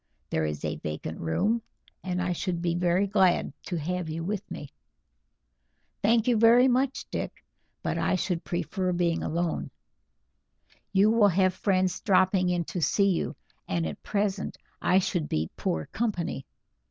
There is a vacant room, and I should be very glad to have you with me." "Thank you very much, Dick, but I should prefer being alone. You will have friends dropping in to see you, and at present I should be poor company.